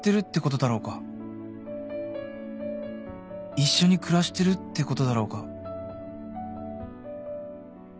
一緒に暮らしてるってことだろうか